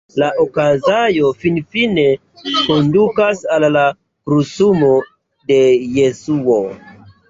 La okazaĵo finfine kondukas al la krucumo de Jesuo.